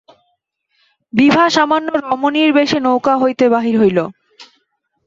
বিভা সামান্য রমণীর বেশে নৌকা হইতে বাহির হইল।